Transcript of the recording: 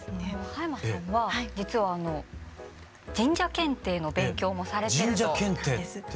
羽山さんは実は神社検定の勉強もされてると。